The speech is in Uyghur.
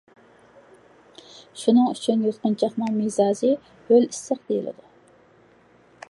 شۇنىڭ ئۈچۈن يۇتقۇنچاقنىڭ مىزاجى ھۆل ئىسسىق دېيىلىدۇ.